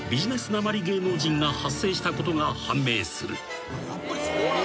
なまり芸能人が発生したことが判明する］